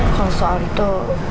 kalau soal itu